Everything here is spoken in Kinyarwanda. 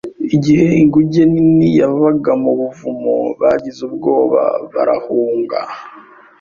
Igihe inguge nini yavaga mu buvumo, bagize ubwoba barahunga.